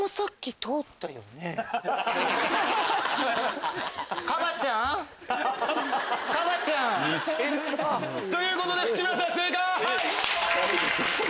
似てるな。ということで内村さん正解！